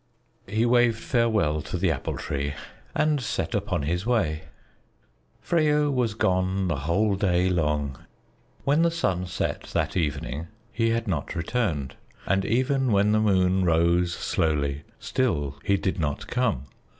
He waved farewell to the Apple Tree and set upon his way. Freyo was gone the whole day long. When the sun set that evening, he had not returned, and even when the moon rose slowly, still he did not come.